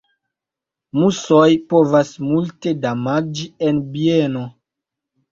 Musoj povas multe damaĝi en bieno.